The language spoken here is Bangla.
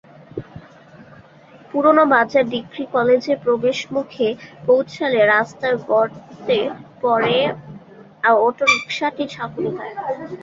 পুরান বাজার ডিগ্রি কলেজের প্রবেশমুখে পৌঁছালে রাস্তার গর্তে পড়ে অটোরিকশাটি ঝাঁকুনি খায়।